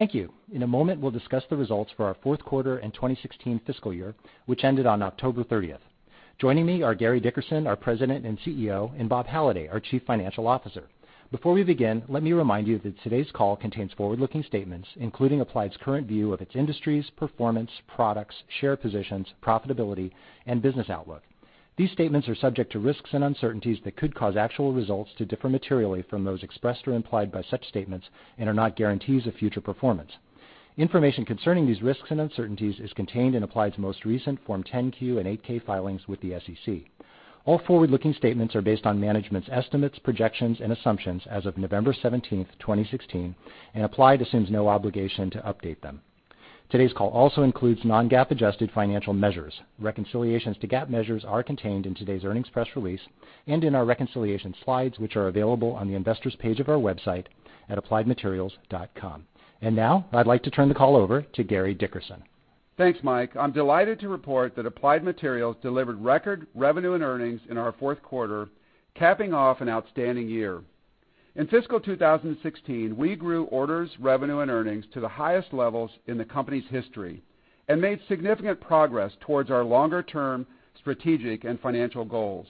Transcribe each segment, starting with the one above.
Thank you. In a moment, we'll discuss the results for our fourth quarter and 2016 fiscal year, which ended on October 30th. Joining me are Gary Dickerson, our President and CEO, and Bob Halliday, our Chief Financial Officer. Before we begin, let me remind you that today's call contains forward-looking statements, including Applied's current view of its industries, performance, products, share positions, profitability, and business outlook. These statements are subject to risks and uncertainties that could cause actual results to differ materially from those expressed or implied by such statements and are not guarantees of future performance. Information concerning these risks and uncertainties is contained in Applied's most recent Form 10-Q and 8-K filings with the SEC. All forward-looking statements are based on management's estimates, projections, and assumptions as of November 17th, 2016, and Applied assumes no obligation to update them. Today's call also includes non-GAAP adjusted financial measures. Reconciliations to GAAP measures are contained in today's earnings press release and in our reconciliation slides, which are available on the investors page of our website at appliedmaterials.com. Now, I'd like to turn the call over to Gary Dickerson. Thanks, Mike. I'm delighted to report that Applied Materials delivered record revenue and earnings in our fourth quarter, capping off an outstanding year. In fiscal 2016, we grew orders, revenue, and earnings to the highest levels in the company's history and made significant progress towards our longer-term strategic and financial goals.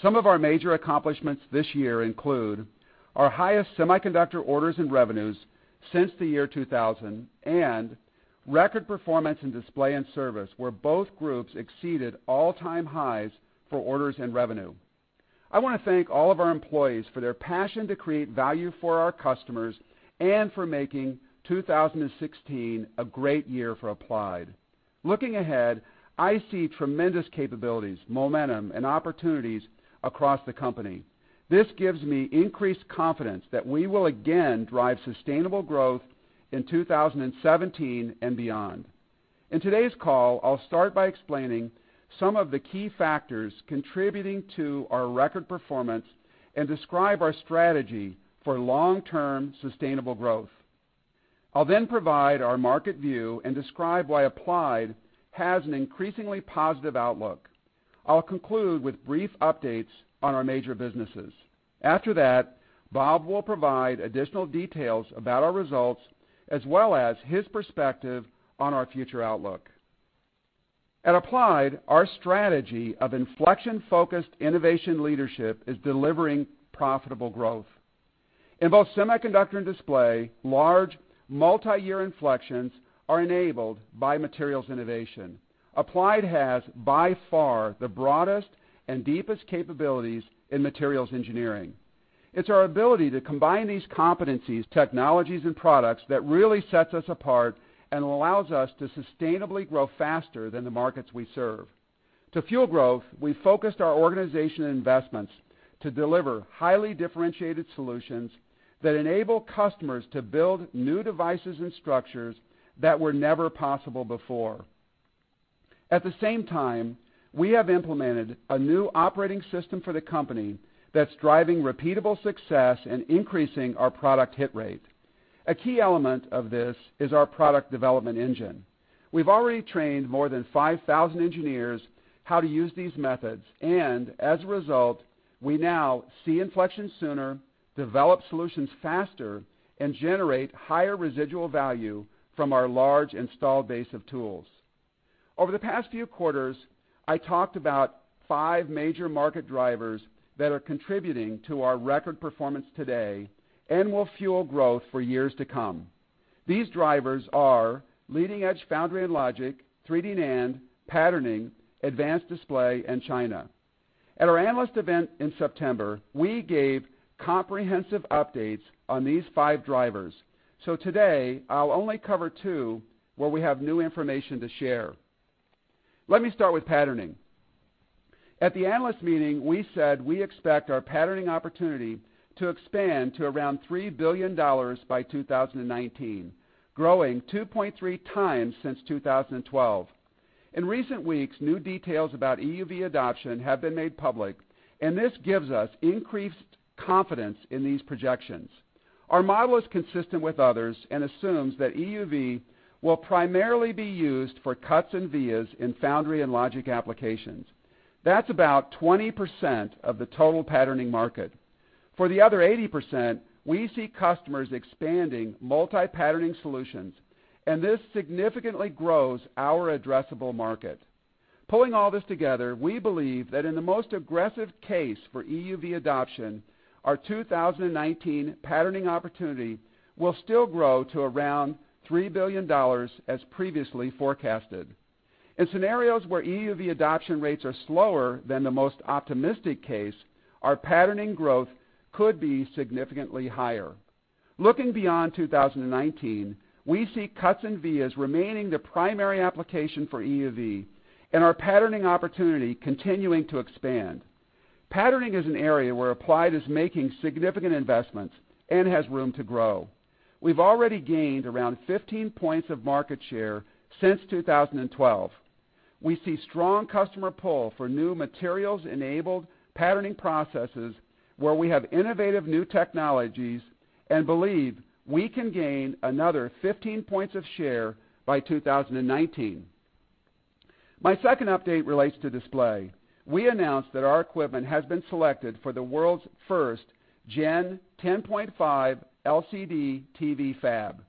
Some of our major accomplishments this year include our highest semiconductor orders and revenues since the year 2000, and record performance in display and service, where both groups exceeded all-time highs for orders and revenue. I want to thank all of our employees for their passion to create value for our customers and for making 2016 a great year for Applied. Looking ahead, I see tremendous capabilities, momentum, and opportunities across the company. This gives me increased confidence that we will again drive sustainable growth in 2017 and beyond. In today's call, I'll start by explaining some of the key factors contributing to our record performance and describe our strategy for long-term sustainable growth. I'll then provide our market view and describe why Applied has an increasingly positive outlook. I'll conclude with brief updates on our major businesses. After that, Bob will provide additional details about our results, as well as his perspective on our future outlook. At Applied, our strategy of inflection-focused innovation leadership is delivering profitable growth. In both semiconductor and display, large multi-year inflections are enabled by materials innovation. Applied has by far the broadest and deepest capabilities in materials engineering. It's our ability to combine these competencies, technologies, and products that really sets us apart and allows us to sustainably grow faster than the markets we serve. To fuel growth, we focused our organization investments to deliver highly differentiated solutions that enable customers to build new devices and structures that were never possible before. At the same time, we have implemented a new operating system for the company that's driving repeatable success and increasing our product hit rate. A key element of this is our product development engine. We've already trained more than 5,000 engineers how to use these methods, and as a result, we now see inflections sooner, develop solutions faster, and generate higher residual value from our large installed base of tools. Over the past few quarters, I talked about five major market drivers that are contributing to our record performance today and will fuel growth for years to come. These drivers are leading-edge foundry and logic, 3D NAND, patterning, advanced display, and China. At our analyst event in September, we gave comprehensive updates on these five drivers. Today, I'll only cover two where we have new information to share. Let me start with patterning. At the analyst meeting, we said we expect our patterning opportunity to expand to around $3 billion by 2019, growing 2.3 times since 2012. In recent weeks, new details about EUV adoption have been made public, and this gives us increased confidence in these projections. Our model is consistent with others and assumes that EUV will primarily be used for cuts and vias in foundry and logic applications. That's about 20% of the total patterning market. For the other 80%, we see customers expanding multi-patterning solutions, and this significantly grows our addressable market. Pulling all this together, we believe that in the most aggressive case for EUV adoption, our 2019 patterning opportunity will still grow to around $3 billion as previously forecasted. In scenarios where EUV adoption rates are slower than the most optimistic case, our patterning growth could be significantly higher. Looking beyond 2019, we see cuts and vias remaining the primary application for EUV and our patterning opportunity continuing to expand. Patterning is an area where Applied is making significant investments and has room to grow. We've already gained around 15 points of market share since 2012. We see strong customer pull for new materials-enabled patterning processes where we have innovative new technologies and believe we can gain another 15 points of share by 2019. My second update relates to display. We announced that our equipment has been selected for the world's first Gen 10.5 LCD TV fab.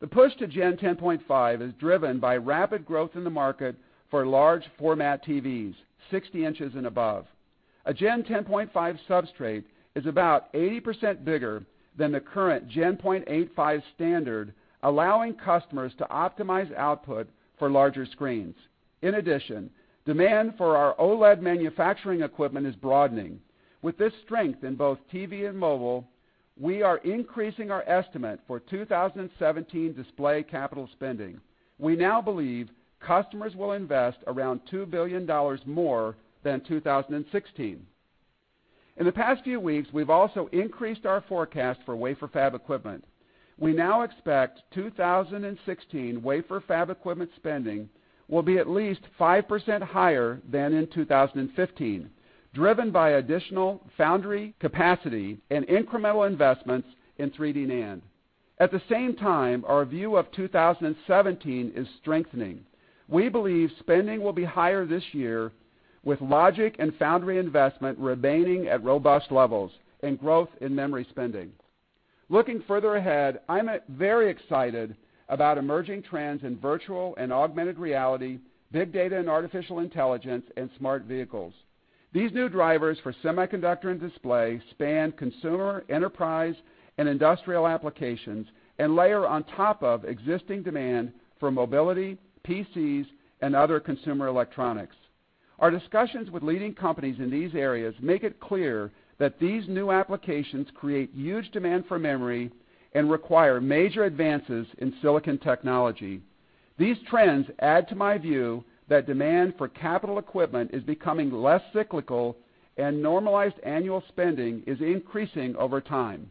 The push to Gen 10.5 is driven by rapid growth in the market for large format TVs, 60 inches and above. A Gen 10.5 substrate is about 80% bigger than the current Gen 8.5 standard, allowing customers to optimize output for larger screens. In addition, demand for our OLED manufacturing equipment is broadening. With this strength in both TV and mobile, we are increasing our estimate for 2017 display capital spending. We now believe customers will invest around $2 billion more than 2016. In the past few weeks, we've also increased our forecast for wafer fab equipment. We now expect 2016 wafer fab equipment spending will be at least 5% higher than in 2015, driven by additional foundry capacity and incremental investments in 3D NAND. At the same time, our view of 2017 is strengthening. We believe spending will be higher this year, with logic and foundry investment remaining at robust levels and growth in memory spending. Looking further ahead, I'm very excited about emerging trends in virtual and augmented reality, big data and artificial intelligence, and smart vehicles. These new drivers for semiconductor and display span consumer, enterprise, and industrial applications and layer on top of existing demand for mobility, PCs, and other consumer electronics. Our discussions with leading companies in these areas make it clear that these new applications create huge demand for memory and require major advances in silicon technology. These trends add to my view that demand for capital equipment is becoming less cyclical and normalized annual spending is increasing over time.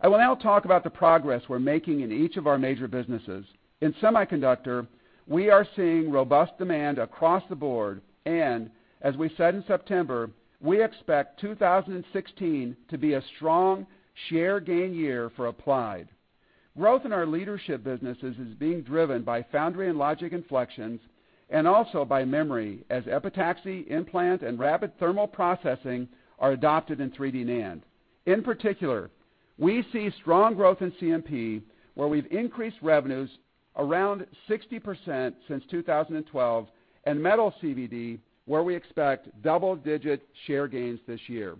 I will now talk about the progress we're making in each of our major businesses. In semiconductor, we are seeing robust demand across the board, and as we said in September, we expect 2016 to be a strong share gain year for Applied. Growth in our leadership businesses is being driven by foundry and logic inflections, and also by memory, as epitaxy, implant, and rapid thermal processing are adopted in 3D NAND. In particular, we see strong growth in CMP, where we've increased revenues around 60% since 2012, and metal CVD, where we expect double-digit share gains this year.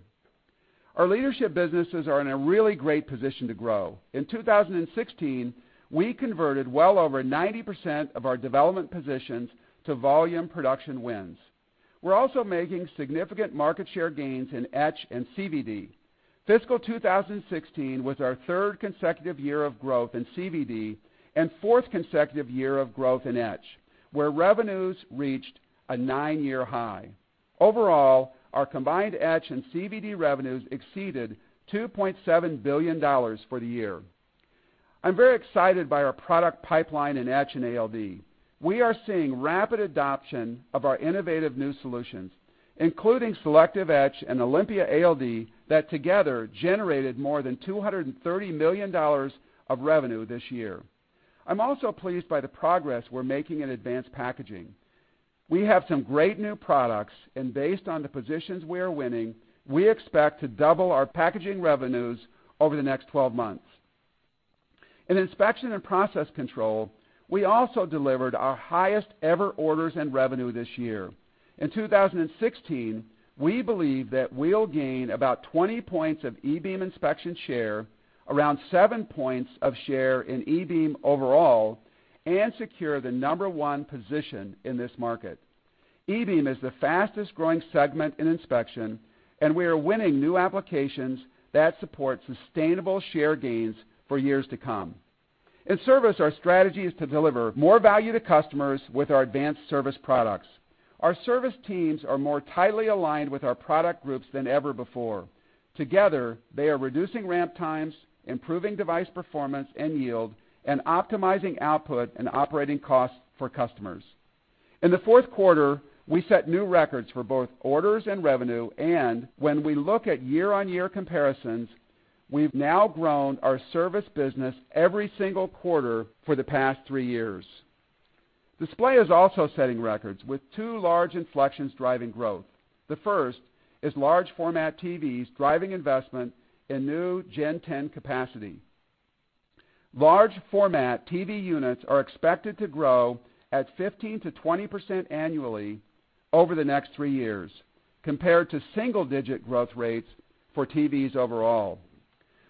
Our leadership businesses are in a really great position to grow. In 2016, we converted well over 90% of our development positions to volume production wins. We're also making significant market share gains in etch and CVD. Fiscal 2016 was our third consecutive year of growth in CVD and fourth consecutive year of growth in etch, where revenues reached a nine-year high. Overall, our combined etch and CVD revenues exceeded $2.7 billion for the year. I'm very excited by our product pipeline in etch and ALD. We are seeing rapid adoption of our innovative new solutions, including selective etch and Olympia ALD, that together generated more than $230 million of revenue this year. I'm also pleased by the progress we're making in advanced packaging. We have some great new products, and based on the positions we are winning, we expect to double our packaging revenues over the next 12 months. In inspection and process control, we also delivered our highest ever orders and revenue this year. In 2016, we believe that we'll gain about 20 points of E-beam inspection share, around seven points of share in E-beam overall, and secure the number one position in this market. E-beam is the fastest growing segment in inspection, and we are winning new applications that support sustainable share gains for years to come. In service, our strategy is to deliver more value to customers with our advanced service products. Our service teams are more tightly aligned with our product groups than ever before. Together, they are reducing ramp times, improving device performance and yield, and optimizing output and operating costs for customers. In the fourth quarter, we set new records for both orders and revenue, and when we look at year-on-year comparisons, we've now grown our service business every single quarter for the past three years. Display is also setting records with two large inflections driving growth. The first is large format TVs driving investment in new gen 10 capacity. Large format TV units are expected to grow at 15%-20% annually over the next three years, compared to single-digit growth rates for TVs overall.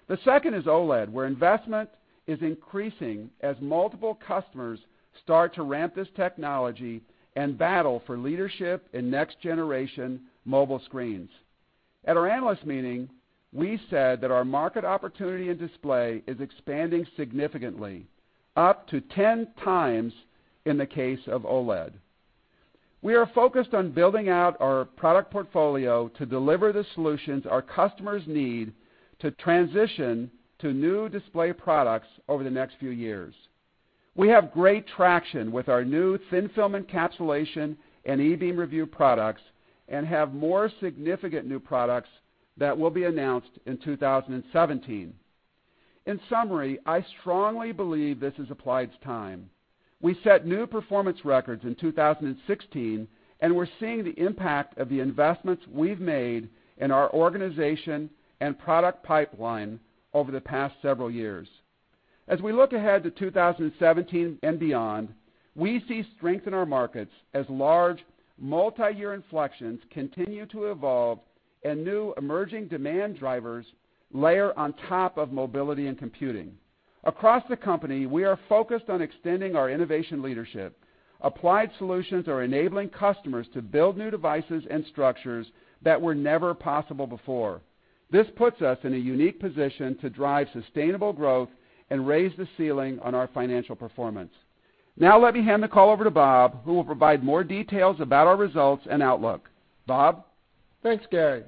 The second is OLED, where investment is increasing as multiple customers start to ramp this technology and battle for leadership in next generation mobile screens. At our analyst meeting, we said that our market opportunity in display is expanding significantly, up to 10 times in the case of OLED. We are focused on building out our product portfolio to deliver the solutions our customers need to transition to new display products over the next few years. We have great traction with our new thin film encapsulation and e-beam review products and have more significant new products that will be announced in 2017. In summary, I strongly believe this is Applied's time. We set new performance records in 2016, we're seeing the impact of the investments we've made in our organization and product pipeline over the past several years. As we look ahead to 2017 and beyond, we see strength in our markets as large multi-year inflections continue to evolve and new emerging demand drivers layer on top of mobility and computing. Across the company, we are focused on extending our innovation leadership. Applied solutions are enabling customers to build new devices and structures that were never possible before. This puts us in a unique position to drive sustainable growth and raise the ceiling on our financial performance. Let me hand the call over to Bob, who will provide more details about our results and outlook. Bob? Thanks, Gary.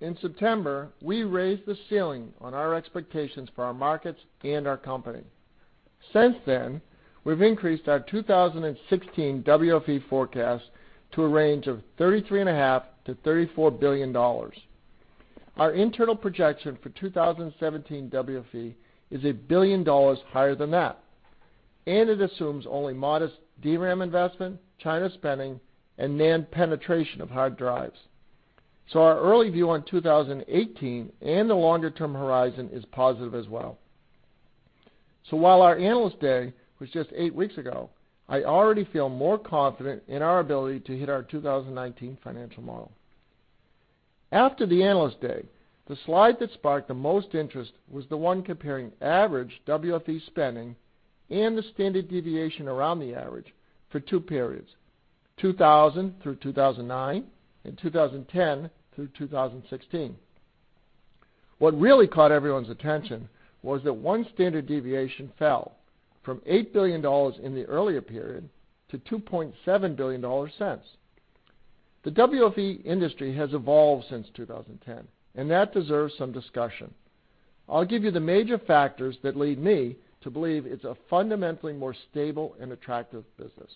In September, we raised the ceiling on our expectations for our markets and our company. Since then, we've increased our 2016 WFE forecast to a range of $33.5 billion-$34 billion. Our internal projection for 2017 WFE is $1 billion higher than that, it assumes only modest DRAM investment, China spending, and NAND penetration of hard drives. Our early view on 2018 and the longer-term horizon is positive as well. While our Analyst Day was just eight weeks ago, I already feel more confident in our ability to hit our 2019 financial model. After the Analyst Day, the slide that sparked the most interest was the one comparing average WFE spending and the standard deviation around the average for two periods, 2000 through 2009 and 2010 through 2016. What really caught everyone's attention was that one standard deviation fell from $8 billion in the earlier period to $2.7 billion since. The WFE industry has evolved since 2010, That deserves some discussion. I'll give you the major factors that lead me to believe it's a fundamentally more stable and attractive business.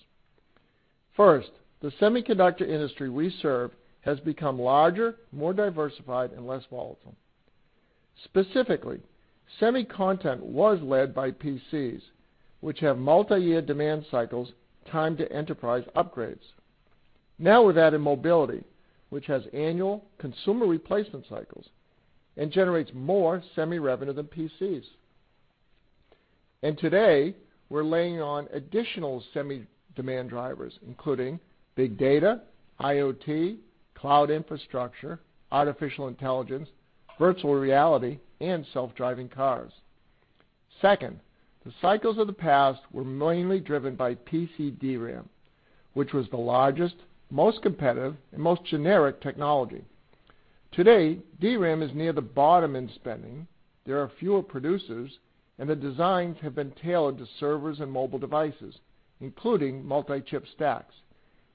First, the semiconductor industry we serve has become larger, more diversified, and less volatile. Specifically, semi content was led by PCs, which have multi-year demand cycles timed to enterprise upgrades. We've added mobility, which has annual consumer replacement cycles and generates more semi revenue than PCs. Today, we're laying on additional semi demand drivers, including big data, IoT, cloud infrastructure, artificial intelligence, virtual reality, and self-driving cars. Second, the cycles of the past were mainly driven by PC DRAM, which was the largest, most competitive, and most generic technology. Today, DRAM is near the bottom in spending, there are fewer producers, and the designs have been tailored to servers and mobile devices, including multi-chip stacks.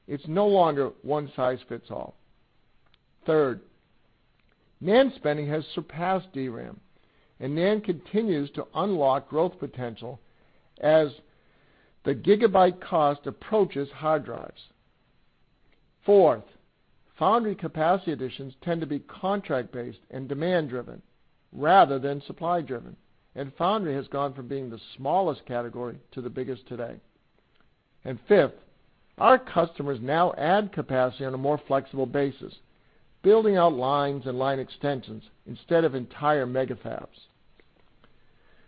It's no longer one size fits all. Third, NAND spending has surpassed DRAM, and NAND continues to unlock growth potential as the gigabyte cost approaches hard drives. Fourth, foundry capacity additions tend to be contract-based and demand-driven rather than supply-driven, and foundry has gone from being the smallest category to the biggest today. Fifth, our customers now add capacity on a more flexible basis, building out lines and line extensions instead of entire mega fabs.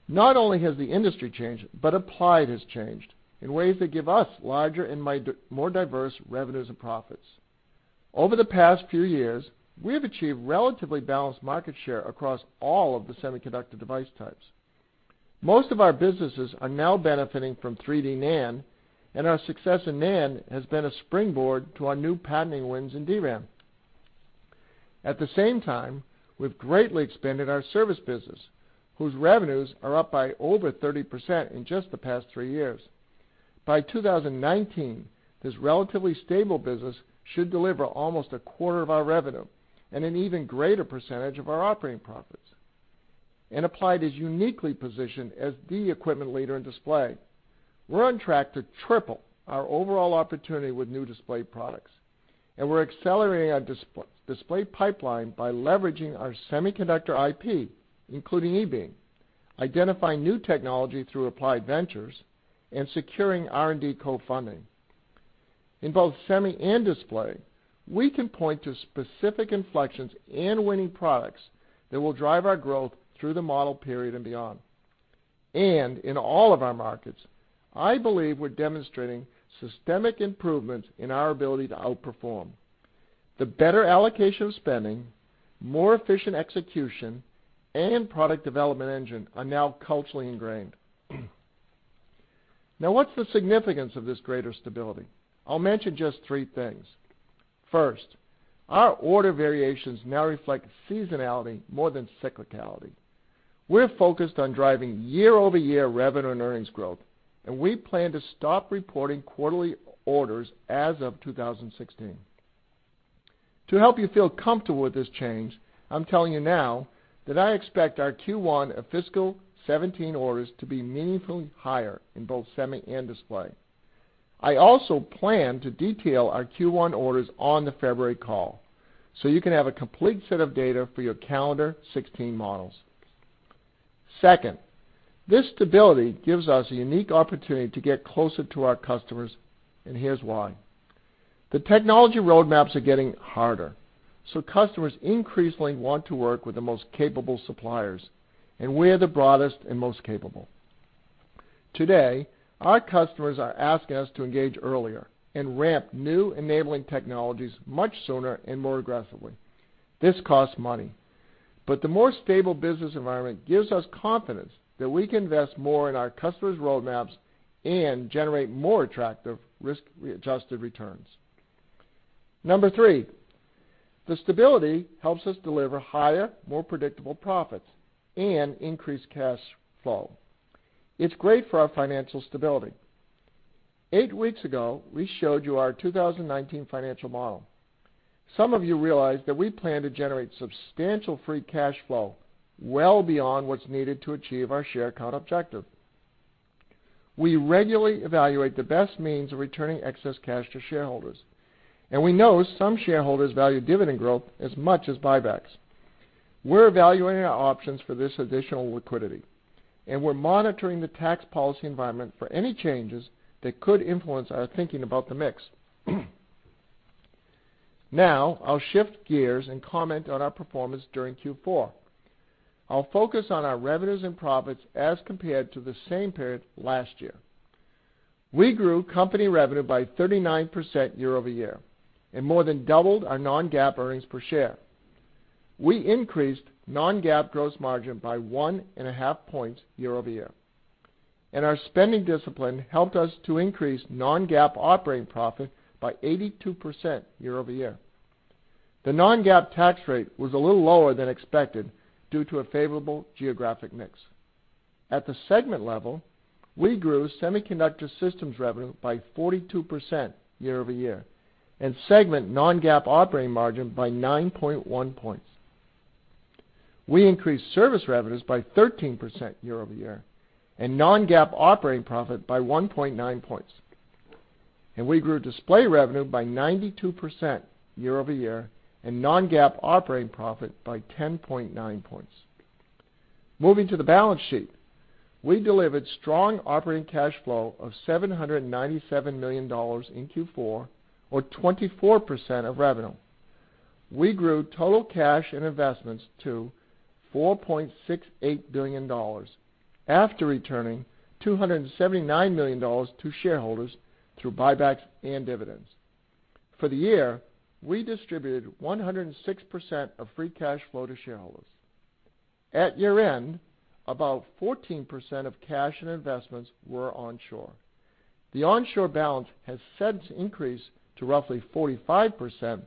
Not only has the industry changed, but Applied has changed in ways that give us larger and more diverse revenues and profits. Over the past few years, we have achieved relatively balanced market share across all of the semiconductor device types. Most of our businesses are now benefiting from 3D NAND, and our success in NAND has been a springboard to our new patterning wins in DRAM. At the same time, we've greatly expanded our service business, whose revenues are up by over 30% in just the past three years. By 2019, this relatively stable business should deliver almost a quarter of our revenue and an even greater percentage of our operating profits. Applied is uniquely positioned as the equipment leader in display. We're on track to triple our overall opportunity with new display products, and we're accelerating our display pipeline by leveraging our semiconductor IP, including e-beam, identifying new technology through Applied Ventures, and securing R&D co-funding. In both semi and display, we can point to specific inflections and winning products that will drive our growth through the model period and beyond. In all of our markets, I believe we're demonstrating systemic improvements in our ability to outperform. The better allocation of spending, more efficient execution, and product development engine are now culturally ingrained. What's the significance of this greater stability? I'll mention just three things. First, our order variations now reflect seasonality more than cyclicality. We're focused on driving year-over-year revenue and earnings growth, and we plan to stop reporting quarterly orders as of 2016. To help you feel comfortable with this change, I'm telling you now that I expect our Q1 of fiscal 2017 orders to be meaningfully higher in both semi and display. I also plan to detail our Q1 orders on the February call so you can have a complete set of data for your calendar 2016 models. Second, this stability gives us a unique opportunity to get closer to our customers, and here's why. The technology roadmaps are getting harder, so customers increasingly want to work with the most capable suppliers, and we're the broadest and most capable. Today, our customers are asking us to engage earlier and ramp new enabling technologies much sooner and more aggressively. This costs money, but the more stable business environment gives us confidence that we can invest more in our customers' roadmaps and generate more attractive risk-adjusted returns. Number three, the stability helps us deliver higher, more predictable profits and increased cash flow. It's great for our financial stability. Eight weeks ago, we showed you our 2019 financial model. Some of you realized that we plan to generate substantial free cash flow well beyond what's needed to achieve our share count objective. We regularly evaluate the best means of returning excess cash to shareholders, and we know some shareholders value dividend growth as much as buybacks. We're evaluating our options for this additional liquidity, we're monitoring the tax policy environment for any changes that could influence our thinking about the mix. I'll shift gears and comment on our performance during Q4. I'll focus on our revenues and profits as compared to the same period last year. We grew company revenue by 39% year-over-year and more than doubled our non-GAAP earnings per share. We increased non-GAAP gross margin by one and a half points year-over-year. Our spending discipline helped us to increase non-GAAP operating profit by 82% year-over-year. The non-GAAP tax rate was a little lower than expected due to a favorable geographic mix. At the segment level, we grew semiconductor systems revenue by 42% year-over-year and segment non-GAAP operating margin by 9.1 points. We increased service revenues by 13% year-over-year and non-GAAP operating profit by 1.9 points. We grew display revenue by 92% year-over-year and non-GAAP operating profit by 10.9 points. Moving to the balance sheet, we delivered strong operating cash flow of $797 million in Q4 or 24% of revenue. We grew total cash and investments to $4.68 billion after returning $279 million to shareholders through buybacks and dividends. For the year, we distributed 106% of free cash flow to shareholders. At year-end, about 14% of cash and investments were onshore. The onshore balance has since increased to roughly 45%,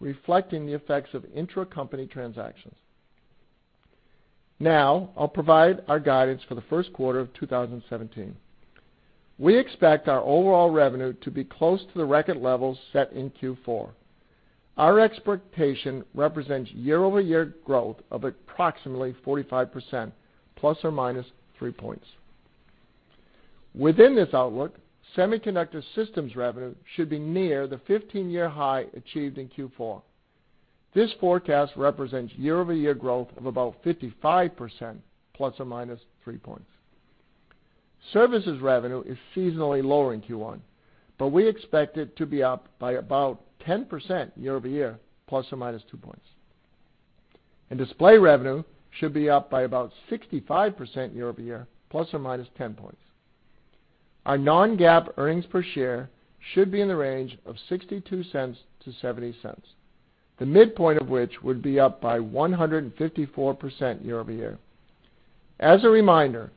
reflecting the effects of intra-company transactions. I'll provide our guidance for the first quarter of 2017. We expect our overall revenue to be close to the record levels set in Q4. Our expectation represents year-over-year growth of approximately 45%, plus or minus three points. Within this outlook, semiconductor systems revenue should be near the 15-year high achieved in Q4. This forecast represents year-over-year growth of about 55%, plus or minus three points. Services revenue is seasonally lower in Q1, we expect it to be up by about 10% year-over-year, plus or minus two points. Display revenue should be up by about 65% year-over-year, plus or minus 10 points. Our non-GAAP earnings per share should be in the range of $0.62-$0.70, the midpoint of which would be up by 154% year-over-year. As a reminder,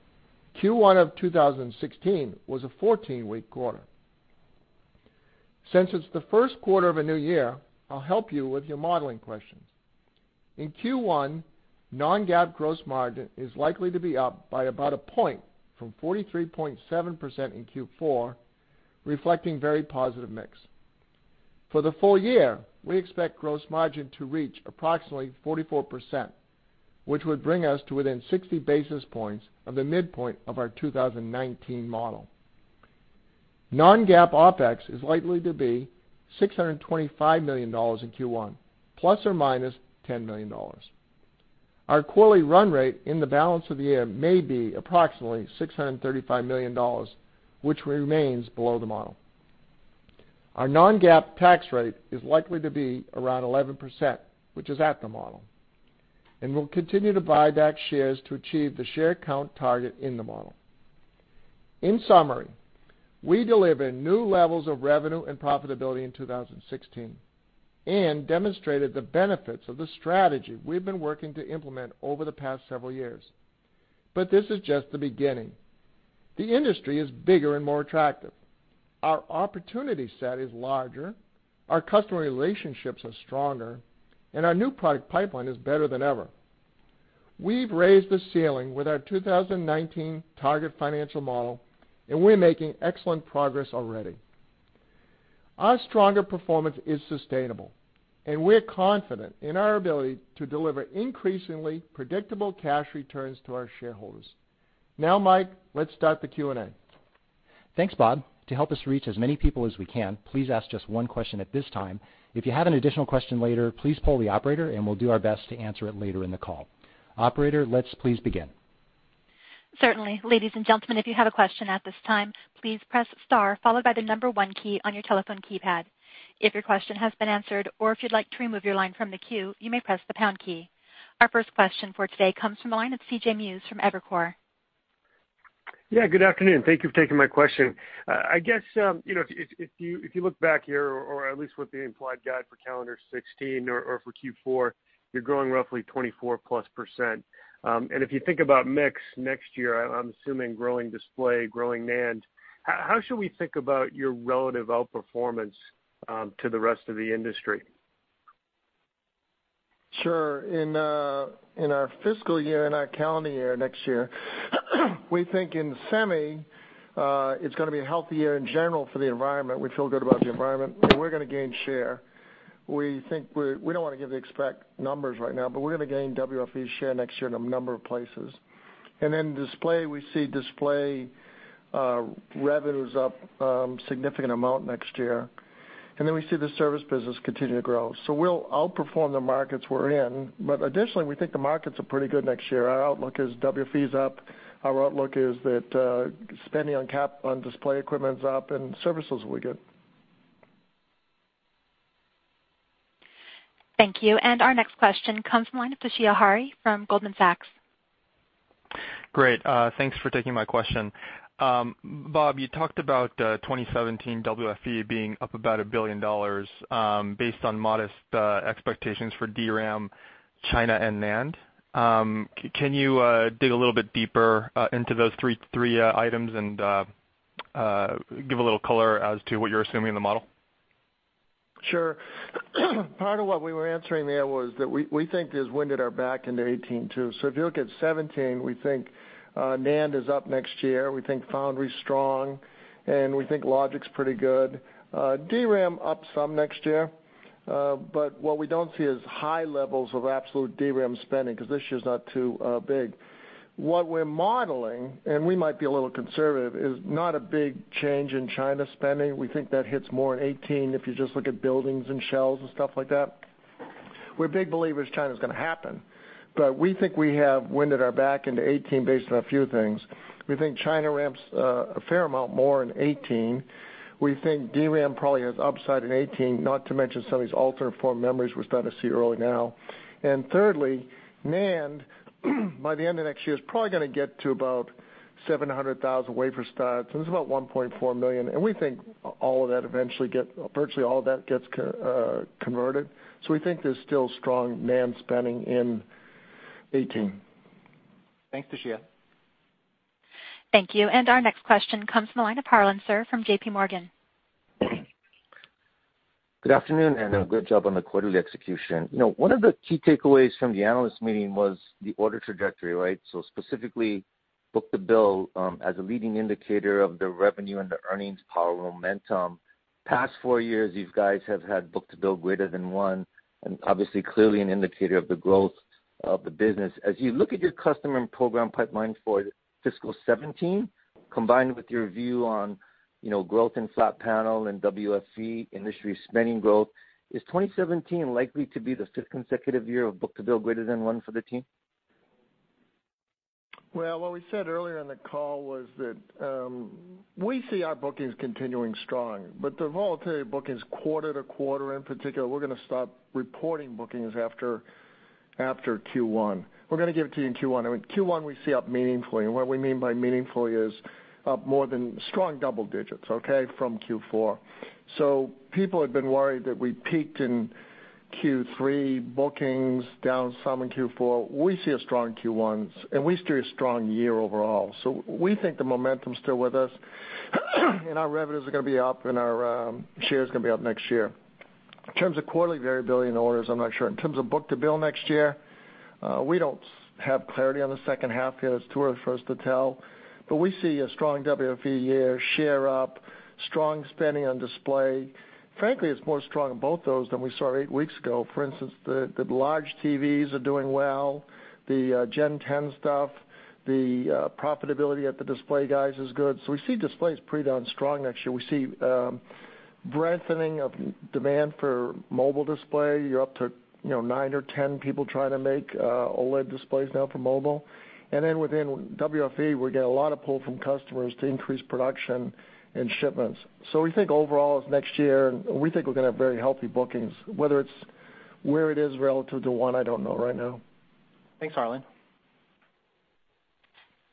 Q1 of 2016 was a 14-week quarter. Since it's the first quarter of a new year, I'll help you with your modeling questions. In Q1, non-GAAP gross margin is likely to be up by about one point from 43.7% in Q4, reflecting very positive mix. For the full year, we expect gross margin to reach approximately 44%, which would bring us to within 60 basis points of the midpoint of our 2019 model. Non-GAAP OpEx is likely to be $625 million in Q1, plus or minus $10 million. Our quarterly run rate in the balance of the year may be approximately $635 million, which remains below the model. Our non-GAAP tax rate is likely to be around 11%, which is at the model. We'll continue to buy back shares to achieve the share count target in the model. In summary, we delivered new levels of revenue and profitability in 2016 and demonstrated the benefits of the strategy we've been working to implement over the past several years. This is just the beginning. The industry is bigger and more attractive, our opportunity set is larger, our customer relationships are stronger, our new product pipeline is better than ever. We've raised the ceiling with our 2019 target financial model, we're making excellent progress already. Our stronger performance is sustainable, we are confident in our ability to deliver increasingly predictable cash returns to our shareholders. Now, Mike, let's start the Q&A. Thanks, Bob. To help us reach as many people as we can, please ask just one question at this time. If you have an additional question later, please poll the operator, we'll do our best to answer it later in the call. Operator, let's please begin. Certainly. Ladies and gentlemen, if you have a question at this time, please press star followed by the number one key on your telephone keypad. If your question has been answered, if you'd like to remove your line from the queue, you may press the pound key. Our first question for today comes from the line of C.J. Muse from Evercore. Yeah. Good afternoon. Thank you for taking my question. I guess, if you look back here, at least with the implied guide for calendar 2016 or for Q4, you're growing roughly 24%+. If you think about mix next year, I'm assuming growing display, growing NAND, how should we think about your relative outperformance to the rest of the industry? Sure. In our fiscal year and our calendar year next year, we think in semi, it's going to be a healthy year in general for the environment. We feel good about the environment, and we're going to gain share. We don't want to give the exact numbers right now, but we're going to gain WFE share next year in a number of places. Display, we see display revenues up a significant amount next year. We see the service business continue to grow. We'll outperform the markets we're in. Additionally, we think the markets are pretty good next year. Our outlook is WFE is up, our outlook is that spending on display equipment is up, and services will be good. Thank you. Our next question comes from the line of Toshiya Hari from Goldman Sachs. Great. Thanks for taking my question. Bob, you talked about 2017 WFE being up about $1 billion based on modest expectations for DRAM, China, and NAND. Can you dig a little bit deeper into those three items and give a little color as to what you're assuming in the model? Sure. Part of what we were answering there was that we think there's wind at our back into 2018 too. If you look at 2017, we think NAND is up next year, we think foundry is strong, and we think logic's pretty good. DRAM up some next year, what we don't see is high levels of absolute DRAM spending because this year's not too big. What we're modeling, and we might be a little conservative, is not a big change in China spending. We think that hits more in 2018 if you just look at buildings and shells and stuff like that. We're big believers China's going to happen, we think we have wind at our back into 2018 based on a few things. We think China ramps a fair amount more in 2018. We think DRAM probably has upside in 2018, not to mention some of these alternate form memories we're starting to see early now. Thirdly, NAND, by the end of next year, is probably going to get to about 700,000 wafer starts, and this is about 1.4 million, and we think virtually all of that gets converted. We think there's still strong NAND spending in 2018. Thanks, Toshiya. Thank you. Our next question comes from the line of Harlan Sur from J.P. Morgan. Good afternoon, great job on the quarterly execution. One of the key takeaways from the analyst meeting was the order trajectory, right? Specifically, book-to-bill as a leading indicator of the revenue and the earnings power momentum. Past four years, these guys have had book-to-bill greater than one, obviously, clearly an indicator of the growth of the business. As you look at your customer and program pipeline for fiscal 2017, combined with your view on growth in flat panel and WFE industry spending growth, is 2017 likely to be the fifth consecutive year of book-to-bill greater than one for the team? Well, what we said earlier in the call was that we see our bookings continuing strong, they're voluntary bookings quarter to quarter, in particular. We're going to stop reporting bookings after Q1. We're going to give it to you in Q1. I mean, Q1, we see up meaningfully, and what we mean by meaningfully is up more than strong double digits, okay? From Q4. People have been worried that we peaked in Q3, bookings down some in Q4. We see a strong Q1, and we steer a strong year overall. We think the momentum's still with us, and our revenues are going to be up, and our share is going to be up next year. In terms of quarterly variability in orders, I'm not sure. In terms of book-to-bill next year, we don't have clarity on the second half yet. It's too early for us to tell, we see a strong WFE year, share up, strong spending on display. Frankly, it's more strong in both those than we saw 8 weeks ago. For instance, the large TVs are doing well. The Gen 10 stuff, the profitability at the display guys is good. We see display is pretty darn strong next year. We see a strengthening of demand for mobile display. You're up to 9 or 10 people trying to make OLED displays now for mobile. Within WFE, we get a lot of pull from customers to increase production and shipments. We think overall next year, we think we're going to have very healthy bookings. Where it is relative to one, I don't know right now. Thanks, Harlan.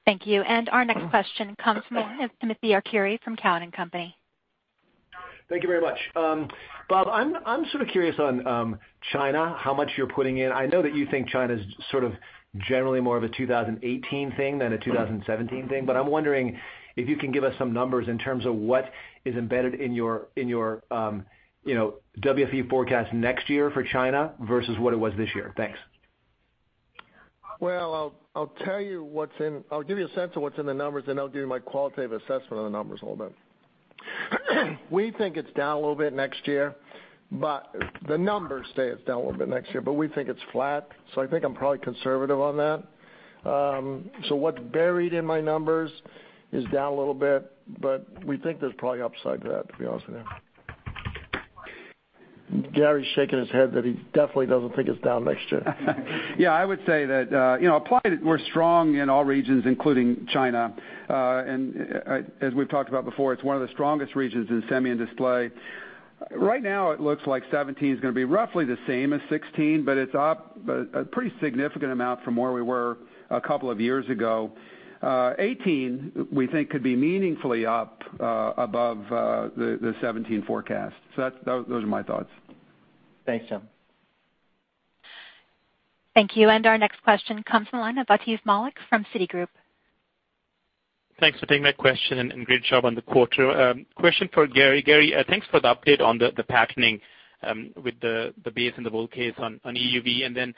Thank you. Our next question comes from Timothy Arcuri from Cowen and Company. Thank you very much. Bob, I'm sort of curious on China, how much you're putting in. I know that you think China's sort of generally more of a 2018 thing than a 2017 thing, but I'm wondering if you can give us some numbers in terms of what is embedded in your WFE forecast next year for China versus what it was this year. Thanks. I'll give you a sense of what's in the numbers, then I'll give you my qualitative assessment of the numbers a little bit. We think it's down a little bit next year, but the numbers say it's down a little bit next year, but we think it's flat, so I think I'm probably conservative on that. What's buried in my numbers is down a little bit, but we think there's probably upside to that, to be honest with you. Gary's shaking his head that he definitely doesn't think it's down next year. I would say that Applied, we're strong in all regions, including China. As we've talked about before, it's one of the strongest regions in semi and display. Right now, it looks like 2017 is going to be roughly the same as 2016, but it's up a pretty significant amount from where we were a couple of years ago. 2018, we think could be meaningfully up above the 2017 forecast. Those are my thoughts. Thanks, gentlemen. Thank you. Our next question comes from the line of Atif Malik from Citigroup. Thanks for taking my question, great job on the quarter. Question for Gary. Gary, thanks for the update on the patterning with the base and the bull case on EUV, and then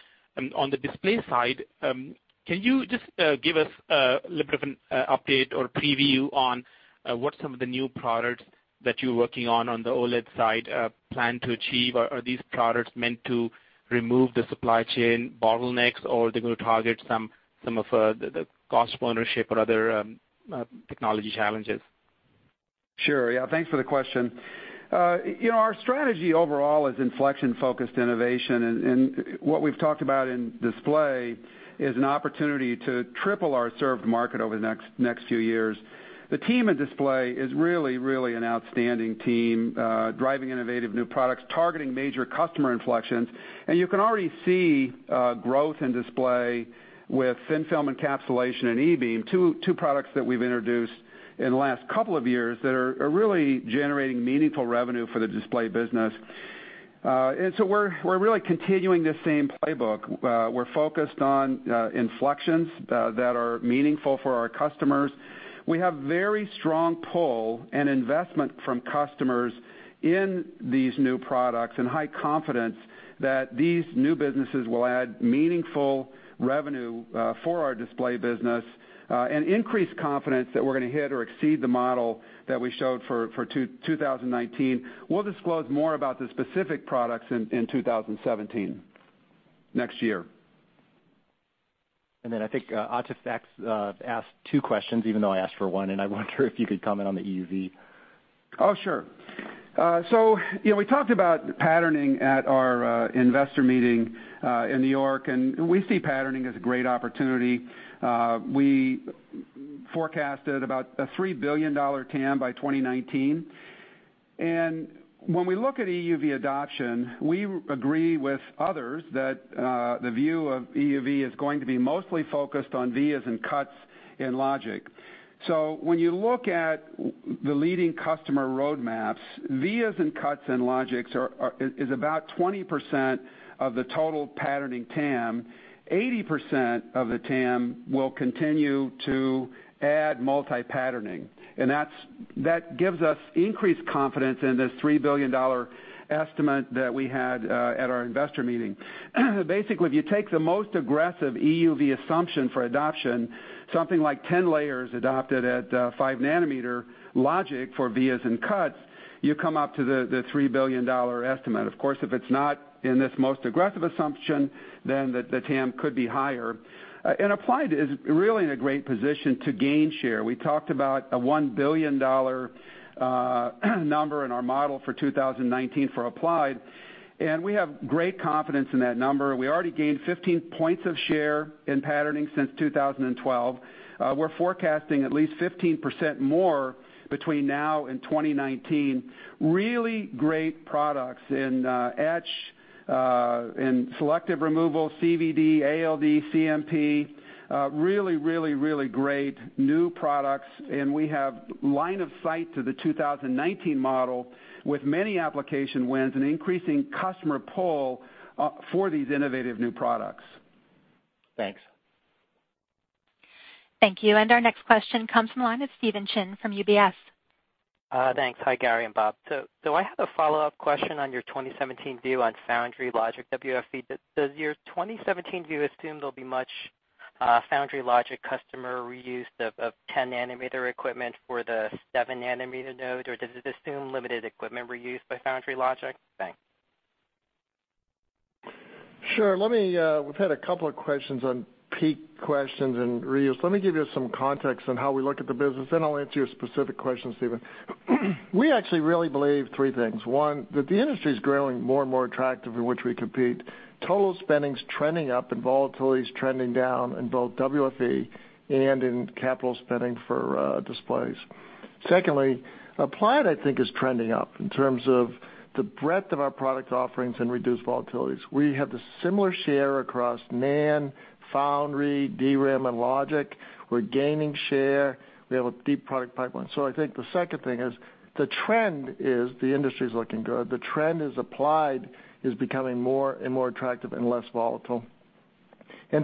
on the display side, can you just give us a little bit of an update or preview on what some of the new products that you're working on the OLED side plan to achieve? Are these products meant to remove the supply chain bottlenecks, or they're going to target some of the cost ownership or other technology challenges? Sure. Yeah, thanks for the question. Our strategy overall is inflection-focused innovation, and what we've talked about in display is an opportunity to triple our served market over the next few years. The team at Display is really an outstanding team, driving innovative new products, targeting major customer inflections. You can already see growth in display with thin-film encapsulation and E-beam, two products that we've introduced in the last couple of years that are really generating meaningful revenue for the display business. So we're really continuing the same playbook. We're focused on inflections that are meaningful for our customers. We have very strong pull and investment from customers in these new products and high confidence that these new businesses will add meaningful revenue for our display business, and increased confidence that we're going to hit or exceed the model that we showed for 2019. We'll disclose more about the specific products in 2017, next year. I think Atif asked two questions even though I asked for one. I wonder if you could comment on the EUV. Oh, sure. We talked about patterning at our investor meeting in New York, and we see patterning as a great opportunity. We forecasted about a $3 billion TAM by 2019. When we look at EUV adoption, we agree with others that the view of EUV is going to be mostly focused on vias and cuts in logic. When you look at the leading customer roadmaps, vias and cuts and logics is about 20% of the total patterning TAM. 80% of the TAM will continue to add multi-patterning, and that gives us increased confidence in this $3 billion estimate that we had at our investor meeting. Basically, if you take the most aggressive EUV assumption for adoption, something like 10 layers adopted at 5 nanometer logic for vias and cuts, you come up to the $3 billion estimate. Of course, if it's not in this most aggressive assumption, then the TAM could be higher. Applied is really in a great position to gain share. We talked about a $1 billion number in our model for 2019 for Applied, and we have great confidence in that number. We already gained 15 points of share in patterning since 2012. We're forecasting at least 15% more between now and 2019. Really great products in etch, in selective removal, CVD, ALD, CMP. Really great new products, and we have line of sight to the 2019 model with many application wins and increasing customer pull for these innovative new products. Thanks. Thank you. Our next question comes from the line of Stephen Chin from UBS. Thanks. Hi, Gary and Bob. I have a follow-up question on your 2017 view on foundry logic WFE. Does your 2017 view assume there'll be much foundry logic customer reuse of 10-nanometer equipment for the 7-nanometer node, or does it assume limited equipment reuse by foundry logic? Thanks. Sure. We've had a couple of questions on peak questions and reuse. Let me give you some context on how we look at the business, then I'll answer your specific question, Stephen. We actually really believe three things. One, that the industry is growing more and more attractive in which we compete. Total spending's trending up and volatility is trending down in both WFE and in capital spending for displays. Secondly, Applied, I think, is trending up in terms of the breadth of our product offerings and reduced volatilities. We have the similar share across NAND, foundry, DRAM, and logic. We're gaining share. We have a deep product pipeline. I think the second thing is the trend is the industry's looking good. The trend is Applied is becoming more and more attractive and less volatile.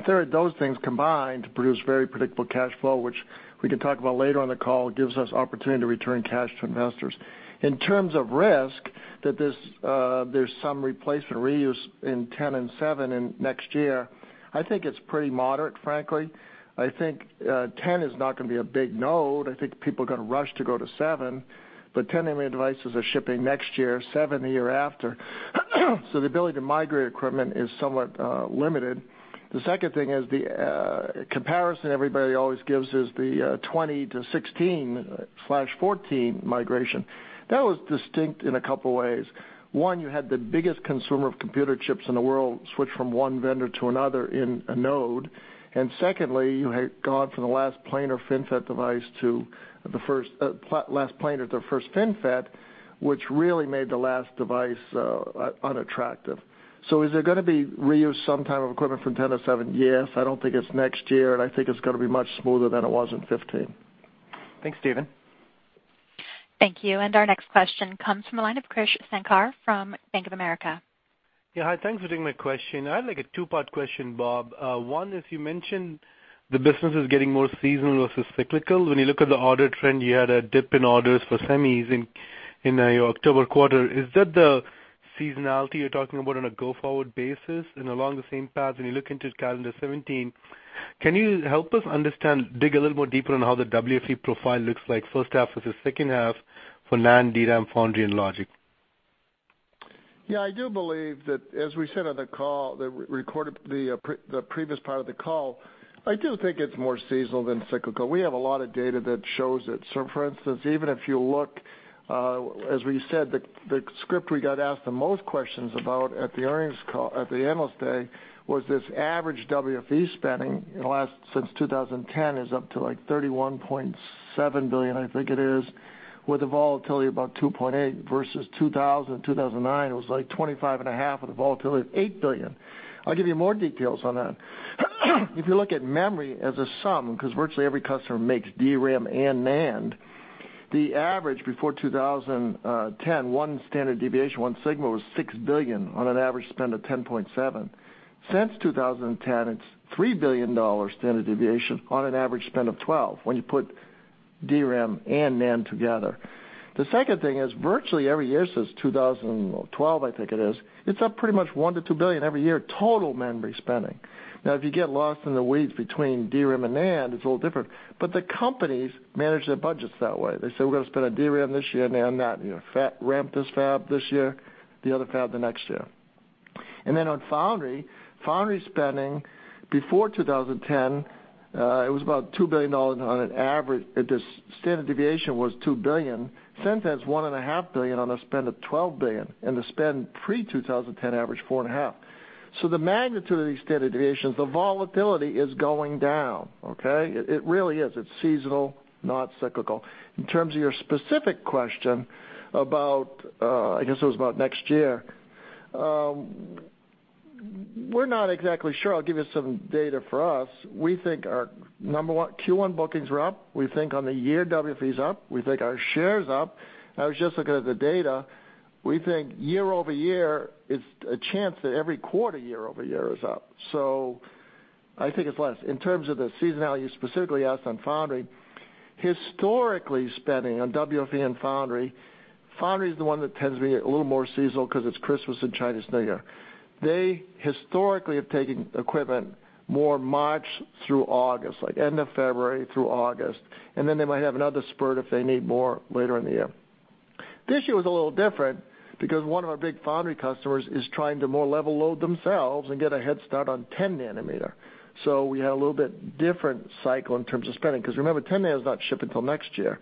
Third, those things combined produce very predictable cash flow, which we can talk about later on the call, gives us opportunity to return cash to investors. In terms of risk, that there's some replacement reuse in 10 and 7 in next year, I think it's pretty moderate, frankly. I think 10 is not going to be a big node. I think people are going to rush to go to 7, but 10-nanometer devices are shipping next year, 7 the year after. The ability to migrate equipment is somewhat limited. The second thing is the comparison everybody always gives is the 20 to 16/14 migration. That was distinct in a couple of ways. One, you had the biggest consumer of computer chips in the world switch from one vendor to another in a node. Secondly, you had gone from the last planar FinFET device to the first FinFET, which really made the last device unattractive. Is there going to be reuse sometime of equipment from 10 to 7? Yes. I don't think it's next year, and I think it's going to be much smoother than it was in 2015. Thanks, Steven. Thank you. Our next question comes from the line of Krish Sankar from Bank of America. Hi, thanks for taking my question. I have a two-part question, Bob. One is you mentioned the business is getting more seasonal versus cyclical. When you look at the order trend, you had a dip in orders for semis in your October quarter. Is that the seasonality you're talking about on a go-forward basis? Along the same path, when you look into calendar 2017, can you help us understand, dig a little more deeper on how the WFE profile looks like first half versus second half for NAND, DRAM, foundry, and logic? I do believe that as we said on the call, the previous part of the call, I do think it's more seasonal than cyclical. We have a lot of data that shows it. For instance, even if you look, as we said, the script we got asked the most questions about at the Analyst Day was this average WFE spending in the last, since 2010, is up to like $31.7 billion, I think it is, with a volatility about 2.8 versus 2000 and 2009, it was like $25 and a half billion with a volatility of $8 billion. I'll give you more details on that. If you look at memory as a sum, because virtually every customer makes DRAM and NAND, the average before 2010, one standard deviation, one sigma, was $6 billion on an average spend of $10.7 billion. Since 2010, it's $3 billion standard deviation on an average spend of $12 billion when you put DRAM and NAND together. The second thing is virtually every year since 2012, I think it is, it's up pretty much $1 billion-$2 billion every year, total memory spending. If you get lost in the weeds between DRAM and NAND, it's a little different. The companies manage their budgets that way. They say, "We're going to spend on DRAM this year, NAND that. Ramp this fab this year, the other fab the next year." On foundry spending before 2010, it was about $2 billion on an average, the standard deviation was $2 billion. Since then, it's $1.5 billion on a spend of $12 billion, and the spend pre-2010 averaged $4.5 billion. The magnitude of these standard deviations, the volatility is going down, okay? It really is. It's seasonal, not cyclical. In terms of your specific question about, I guess it was about next year. We're not exactly sure. I'll give you some data for us. We think our number 1 Q1 bookings were up. We think on the year WFE is up. We think our share is up. I was just looking at the data, we think year-over-year, it's a chance that every quarter year-over-year is up. I think it's less. In terms of the seasonality you specifically asked on foundry, historically spending on WFE and foundry is the one that tends to be a little more seasonal because it's Christmas and Chinese New Year. They historically have taken equipment more March through August, like end of February through August, and then they might have another spurt if they need more later in the year. This year was a little different because one of our big foundry customers is trying to more level load themselves and get a head start on 10-nanometer. We had a little bit different cycle in terms of spending because remember, 10-nano is not shipping till next year.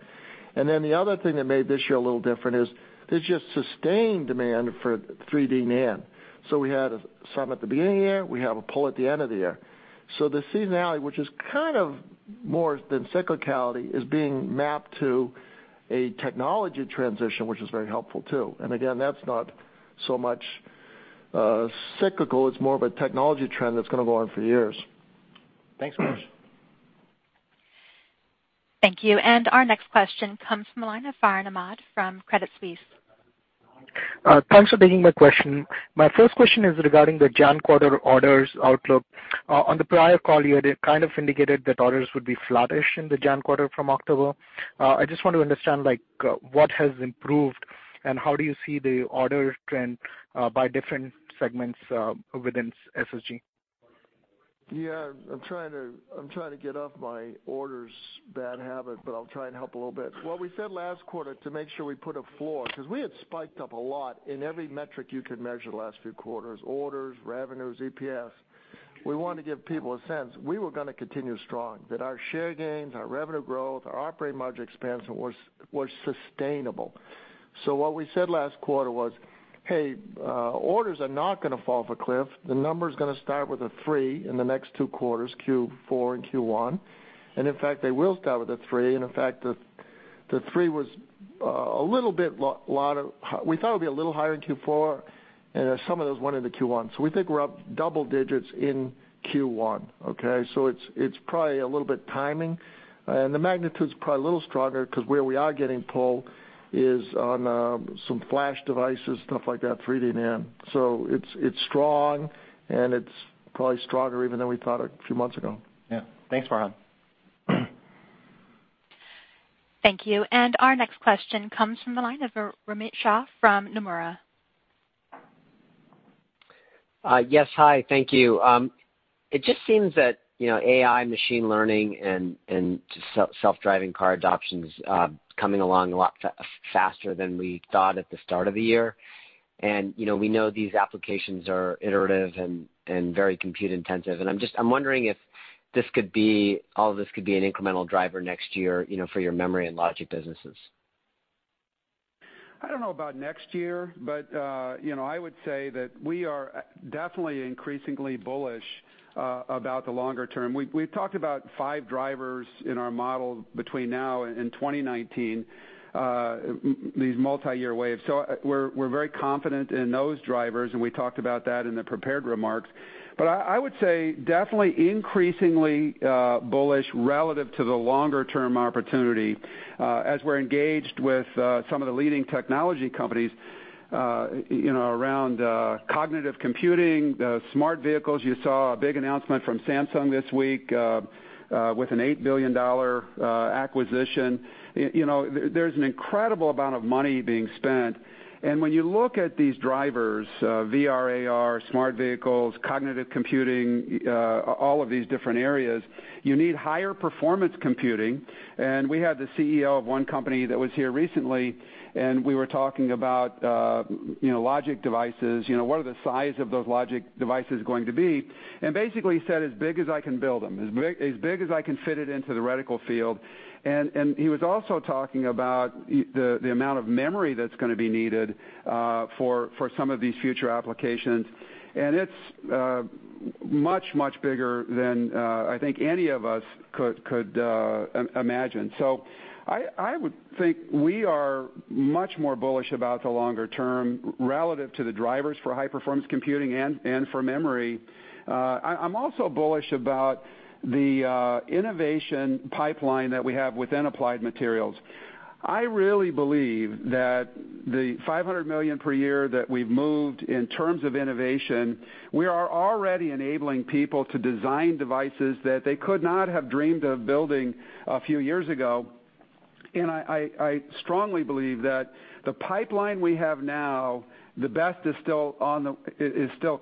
The other thing that made this year a little different is there's just sustained demand for 3D NAND. We had some at the beginning of the year, we have a pull at the end of the year. The seasonality, which is kind of more than cyclicality, is being mapped to a technology transition, which is very helpful too. Again, that's not so much cyclical, it's more of a technology trend that's going to go on for years. Thanks, Krish. Thank you. Our next question comes from the line of Farhan Ahmad from Credit Suisse. Thanks for taking my question. My first question is regarding the January quarter orders outlook. On the prior call, you had kind of indicated that orders would be flattish in the January quarter from October. I just want to understand what has improved and how do you see the order trend by different segments within SSG? I'm trying to get off my orders bad habit, but I'll try and help a little bit. What we said last quarter to make sure we put a floor, because we had spiked up a lot in every metric you could measure the last few quarters, orders, revenues, EPS. We want to give people a sense we were going to continue strong, that our share gains, our revenue growth, our operating margin expansion was sustainable. What we said last quarter was, "Hey, orders are not going to fall off a cliff. The number's going to start with a three in the next two quarters, Q4 and Q1. In fact, they will start with a three." In fact, the three was a little bit We thought it would be a little higher in Q4, and some of those went into Q1. We think we're up double digits in Q1, okay? It's probably a little bit timing, and the magnitude's probably a little stronger because where we are getting pull is on some flash devices, stuff like that, 3D NAND. It's strong, and it's probably stronger even than we thought a few months ago. Thanks, Farhan. Thank you. Our next question comes from the line of Romit Shah from Nomura. Yes. Hi, thank you. It just seems that AI machine learning and just self-driving car adoption is coming along a lot faster than we thought at the start of the year. We know these applications are iterative and very compute-intensive. I'm wondering if all of this could be an incremental driver next year, for your memory and logic businesses. I don't know about next year, but I would say that we are definitely increasingly bullish about the longer term. We've talked about five drivers in our model between now and 2019, these multi-year waves. We're very confident in those drivers, and we talked about that in the prepared remarks. I would say definitely increasingly bullish relative to the longer-term opportunity, as we're engaged with some of the leading technology companies around cognitive computing, smart vehicles. You saw a big announcement from Samsung this week, with an $8 billion acquisition. There's an incredible amount of money being spent. When you look at these drivers, VR, AR, smart vehicles, cognitive computing, all of these different areas, you need higher performance computing. We had the CEO of one company that was here recently, and we were talking about logic devices. What are the size of those logic devices going to be? Basically, he said, "As big as I can build them, as big as I can fit it into the reticle field." He was also talking about the amount of memory that's going to be needed for some of these future applications. It's much, much bigger than, I think, any of us could imagine. I would think we are much more bullish about the longer term relative to the drivers for high-performance computing and for memory. I'm also bullish about the innovation pipeline that we have within Applied Materials. I really believe that the $500 million per year that we've moved in terms of innovation, we are already enabling people to design devices that they could not have dreamed of building a few years ago. I strongly believe that the pipeline we have now, the best is still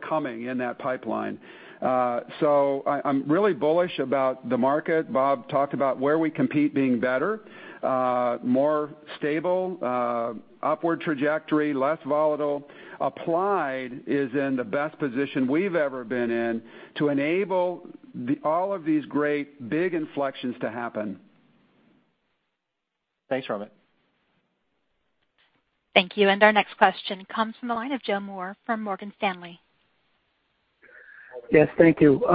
coming in that pipeline. I'm really bullish about the market. Bob talked about where we compete being better, more stable, upward trajectory, less volatile. Applied is in the best position we've ever been in to enable all of these great big inflections to happen. Thanks, Robert. Thank you. Our next question comes from the line of Joe Moore from Morgan Stanley. Yes. Thank you.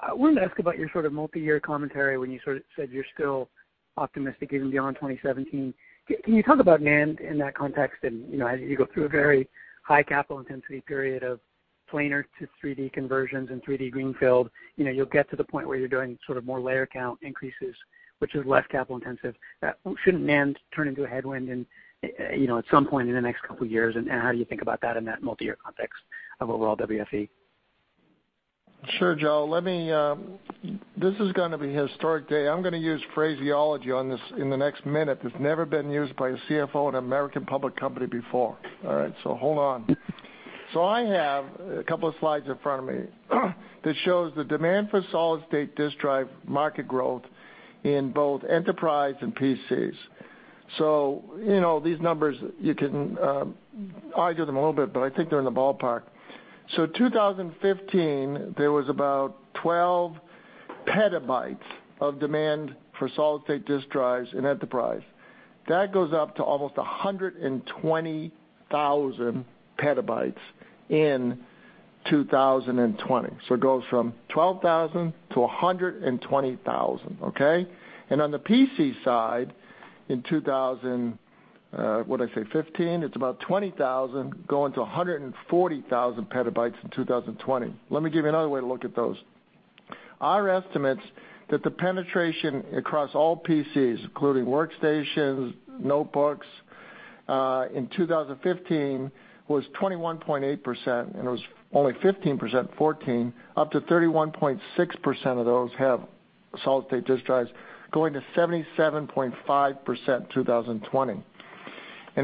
I wanted to ask about your sort of multi-year commentary when you said you're still optimistic even beyond 2017. Can you talk about NAND in that context? As you go through a very high capital intensity period of planar to 3D conversions and 3D greenfield, you'll get to the point where you're doing more layer count increases, which is less capital intensive. Shouldn't NAND turn into a headwind at some point in the next couple of years, and how do you think about that in that multi-year context of overall WFE? Sure, Joe. This is going to be a historic day. I'm going to use phraseology on this in the next minute that's never been used by a CFO at an American public company before. All right, hold on. I have a couple of slides in front of me that shows the demand for solid-state disk drive market growth in both enterprise and PCs. These numbers, you can argue them a little bit, but I think they're in the ballpark. 2015, there was about 12 petabytes of demand for solid-state disk drives in enterprise. That goes up to almost 120,000 petabytes in 2020. It goes from 12,000 to 120,000, okay? And on the PC side in 2015, it's about 20,000 going to 140,000 petabytes in 2020. Let me give you another way to look at those. Our estimates that the penetration across all PCs, including workstations, notebooks, in 2015 was 21.8%, and it was only 15% in 2014, up to 31.6% of those have solid-state disk drives, going to 77.5% in 2020.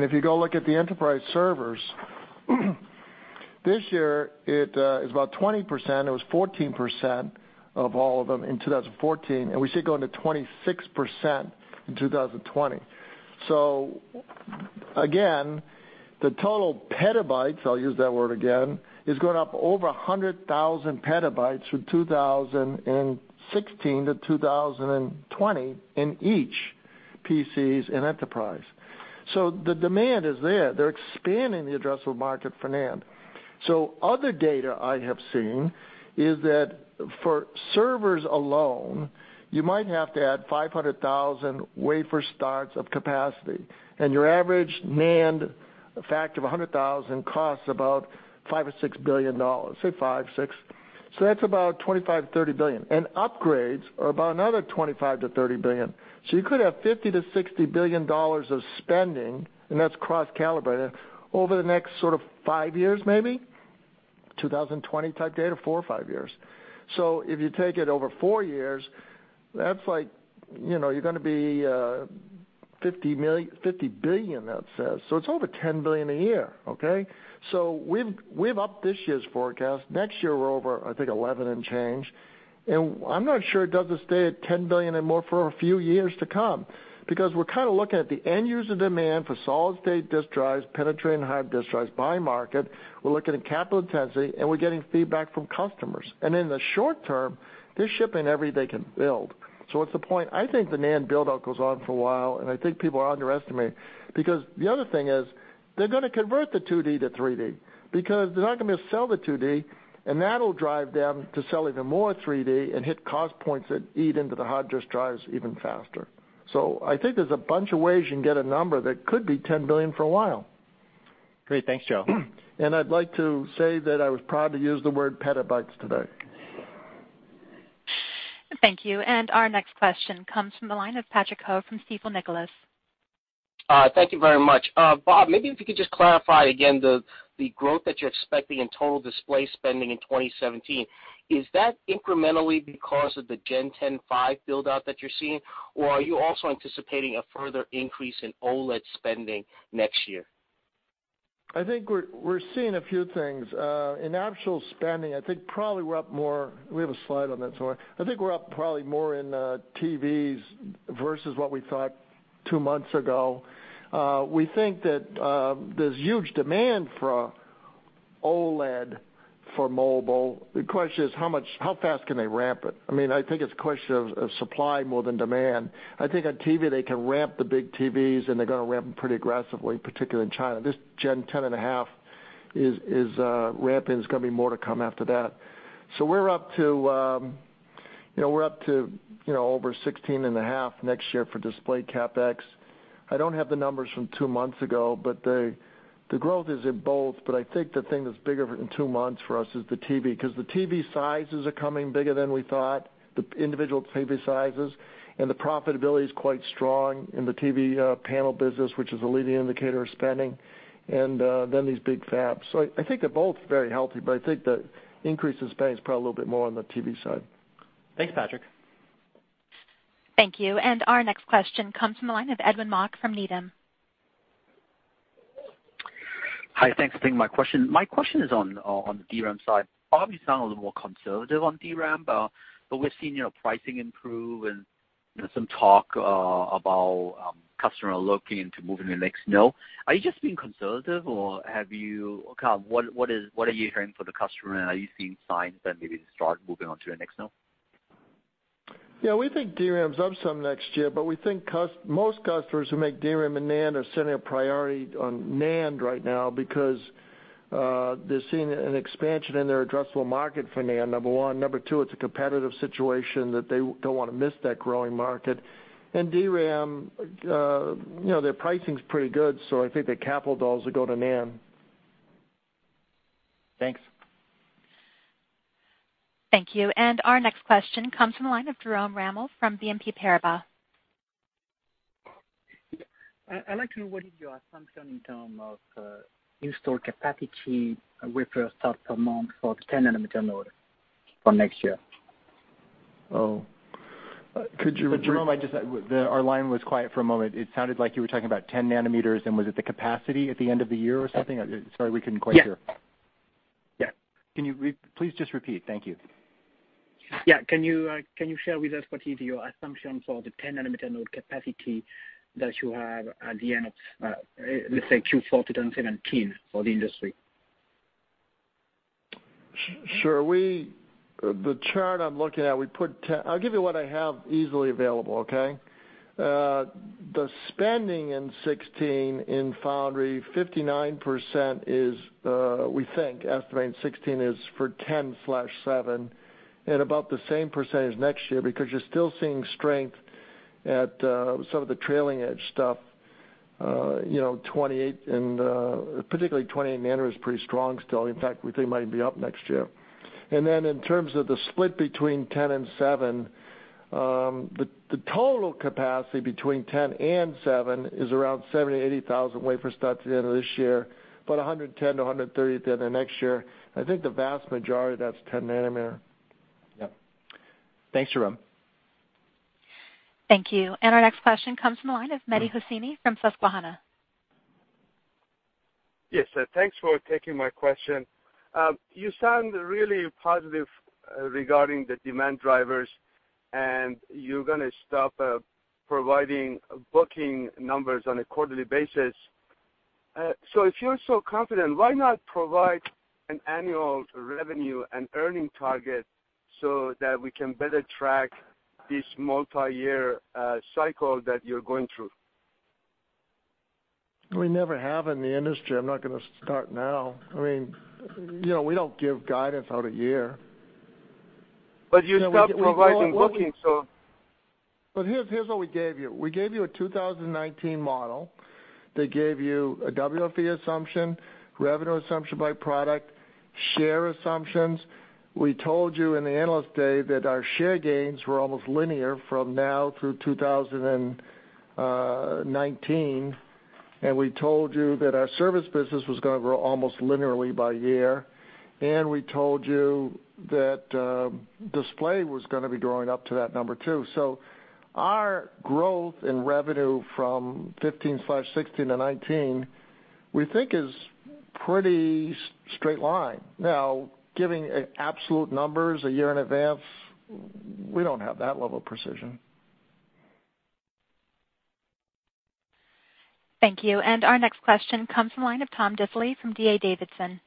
If you go look at the enterprise servers, this year, it is about 20%. It was 14% of all of them in 2014, and we see it going to 26% in 2020. Again, the total petabytes, I'll use that word again, is going up over 100,000 petabytes from 2016 to 2020 in each PCs and enterprise. The demand is there. They're expanding the addressable market for NAND. Other data I have seen is that for servers alone, you might have to add 500,000 wafer starts of capacity, and your average NAND fab of 100,000 costs about $5 billion or $6 billion, say five, six. That's about $25 billion-$30 billion. Upgrades are about another $25 billion-$30 billion. You could have $50 billion-$60 billion of spending, and that's cross-calibrated, over the next sort of five years maybe. 2020 type data, four or five years. If you take it over four years, you're going to be $50 billion that says. It's over $10 billion a year. Okay? We've upped this year's forecast. Next year, we're over, I think, $11 billion and change. I'm not sure it doesn't stay at $10 billion and more for a few years to come, because we're kind of looking at the end-user demand for solid-state disk drives, penetrating hard disk drives by market. We're looking at capital intensity, and we're getting feedback from customers. In the short term, they're shipping everything they can build. What's the point? I think the NAND build-out goes on for a while. I think people underestimate it because the other thing is, they're going to convert the 2D to 3D because they're not going to be able to sell the 2D, and that'll drive them to sell even more 3D and hit cost points that eat into the hard disk drives even faster. I think there's a bunch of ways you can get a number that could be $10 billion for a while. Great. Thanks, Joe. I'd like to say that I was proud to use the word petabytes today. Thank you. Our next question comes from the line of Patrick Ho from Stifel Nicolaus. Thank you very much. Bob, maybe if you could just clarify again the growth that you're expecting in total display spending in 2017. Is that incrementally because of the Gen 10.5 build-out that you're seeing, or are you also anticipating a further increase in OLED spending next year? I think we're seeing a few things. In actual spending, I think probably we're up more. We have a slide on that, I think we're up probably more in TVs versus what we thought two months ago. We think that there's huge demand for OLED for mobile. The question is, how fast can they ramp it? I think it's a question of supply more than demand. I think on TV, they can ramp the big TVs, and they're going to ramp them pretty aggressively, particularly in China. This Gen 10.5 is ramping. There's going to be more to come after that. We're up to over $16.5 billion next year for display CapEx. I don't have the numbers from two months ago, the growth is in both. I think the thing that's bigger in two months for us is the TV because the TV sizes are coming bigger than we thought, the individual TV sizes, the profitability is quite strong in the TV panel business, which is a leading indicator of spending, then these big fabs. I think they're both very healthy, I think the increase in spend is probably a little bit more on the TV side. Thanks, Patrick. Thank you. Our next question comes from the line of Edwin Mok from Needham. Hi, thanks for taking my question. My question is on the DRAM side. Bob, you sound a little more conservative on DRAM, but we're seeing pricing improve and some talk about customer looking into moving the next node. Are you just being conservative, or what are you hearing for the customer, and are you seeing signs that maybe they start moving on to the next node? Yeah, we think DRAM's up some next year, but we think most customers who make DRAM and NAND are setting a priority on NAND right now because they're seeing an expansion in their addressable market for NAND, number one. Number two, it's a competitive situation that they don't want to miss that growing market. DRAM, their pricing's pretty good, so I think the capital dollars will go to NAND. Thanks. Thank you. Our next question comes from the line of Jerome Ramel from BNP Paribas. I'd like to know, what is your assumption in terms of installed capacity with the start amount for the 10-nanometer node for next year? Oh, could you repeat- Jerome, our line was quiet for a moment. It sounded like you were talking about 10 nanometers, and was it the capacity at the end of the year or something? Sorry, we couldn't quite hear. Yeah. Can you please just repeat? Thank you. Yeah. Can you share with us what is your assumption for the 10-nanometer node capacity that you have at the end of, let's say, Q4 2017 for the industry? Sure. The chart I'm looking at, I'll give you what I have easily available. Okay? The spending in 2016 in foundry, 59% is, we think, estimating 2016 is for 10/7 and about the same percentage next year because you're still seeing strength at some of the trailing edge stuff, particularly 28-nanometer is pretty strong still. In fact, we think it might even be up next year. Then in terms of the split between 10 and 7, the total capacity between 10 and 7 is around 70,000-80,000 wafer starts at the end of this year, about 110,000-130,000 at the end of next year. I think the vast majority of that's 10-nanometer. Yep. Thanks, Jerome. Thank you. Our next question comes from the line of Mehdi Hosseini from Susquehanna. Yes, thanks for taking my question. You sound really positive regarding the demand drivers, and you're going to stop providing booking numbers on a quarterly basis. If you're so confident, why not provide an annual revenue and earnings target so that we can better track this multi-year cycle that you're going through? We never have in the industry. I'm not going to start now. We don't give guidance out a year. You stopped providing booking. Here's what we gave you. We gave you a 2019 model that gave you a WFE assumption, revenue assumption by product, share assumptions. We told you in the Analyst Day that our share gains were almost linear from now through 2019. We told you that our service business was going to grow almost linearly by year. We told you that display was going to be growing up to that number, too. Our growth in revenue from 2015/2016 to 2019, we think is pretty straight line. Giving absolute numbers a year in advance, we don't have that level of precision. Thank you. Our next question comes from the line of Tom Diffely from D.A. Davidson.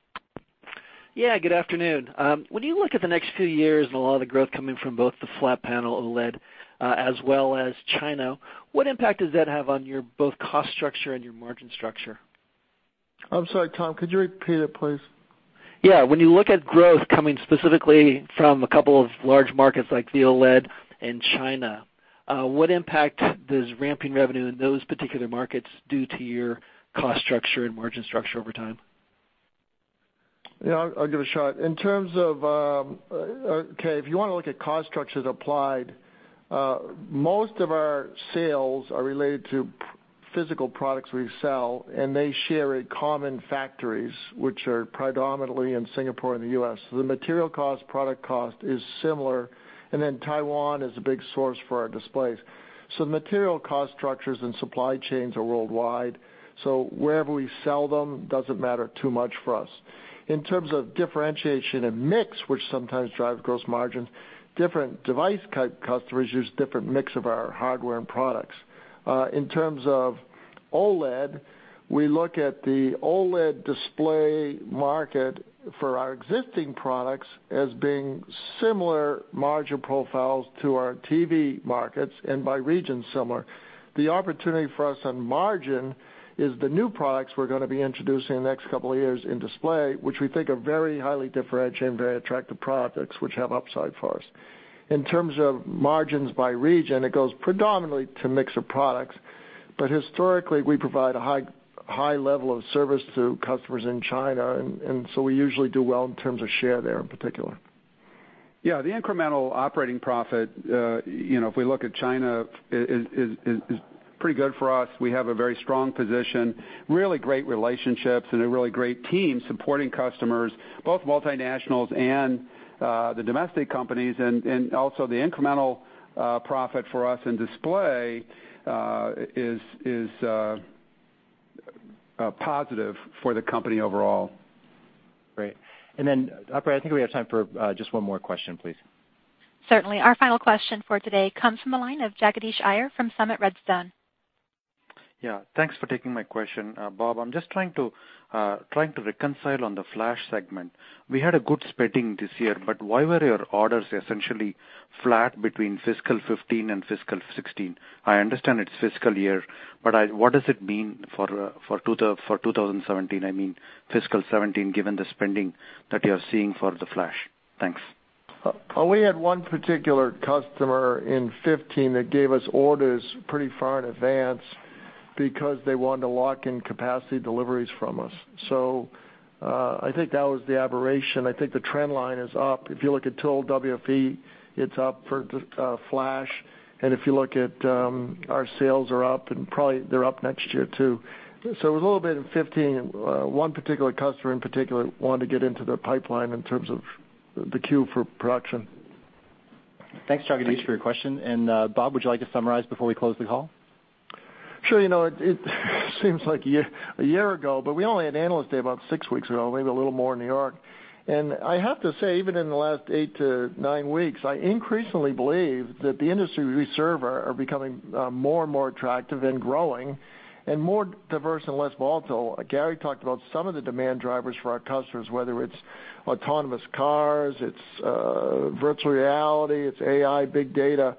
Yeah, good afternoon. When you look at the next few years and a lot of the growth coming from both the flat panel OLED, as well as China, what impact does that have on your both cost structure and your margin structure? I'm sorry, Tom, could you repeat it please? Yeah. When you look at growth coming specifically from a couple of large markets like the OLED and China, what impact does ramping revenue in those particular markets do to your cost structure and margin structure over time? Yeah, I'll give it a shot. If you want to look at cost structures Applied, most of our sales are related to physical products we sell, and they share common factories, which are predominantly in Singapore and the U.S. The material cost, product cost is similar, and then Taiwan is a big source for our displays. The material cost structures and supply chains are worldwide, so wherever we sell them doesn't matter too much for us. In terms of differentiation and mix, which sometimes drive gross margins, different device customers use different mix of our hardware and products. In terms of OLED, we look at the OLED display market for our existing products as being similar margin profiles to our TV markets and by region similar. The opportunity for us on margin is the new products we're going to be introducing in the next couple of years in display, which we think are very highly differentiated and very attractive products which have upside for us. In terms of margins by region, it goes predominantly to mix of products, but historically, we provide a high level of service to customers in China, and so we usually do well in terms of share there in particular. Yeah. The incremental operating profit, if we look at China, is pretty good for us. We have a very strong position, really great relationships, and a really great team supporting customers, both multinationals and the domestic companies, and also the incremental profit for us in display is positive for the company overall. Great. Operator, I think we have time for just one more question, please. Certainly. Our final question for today comes from the line of Jagadish Iyer from Summit Redstone. Yeah. Thanks for taking my question. Bob, I am just trying to reconcile on the flash segment. We had a good spending this year, but why were your orders essentially flat between fiscal 2015 and fiscal 2016? I understand it is fiscal year, but what does it mean for 2017, I mean fiscal 2017, given the spending that you are seeing for the flash? Thanks. We had one particular customer in 2015 that gave us orders pretty far in advance because they wanted to lock in capacity deliveries from us. I think that was the aberration. I think the trend line is up. If you look at total WFE, it is up for flash, and if you look at our sales are up, probably they are up next year, too. It was a little bit in 2015, one particular customer in particular wanted to get into the pipeline in terms of the queue for production. Thanks, Jagadish, for your question. Bob, would you like to summarize before we close the call? Sure. It seems like a year ago, but we only had Analyst Day about six weeks ago, maybe a little more in New York. I have to say, even in the last eight to nine weeks, I increasingly believe that the industries we serve are becoming more and more attractive and growing and more diverse and less volatile. Gary talked about some of the demand drivers for our customers, whether it's autonomous cars, it's virtual reality, it's AI, big data.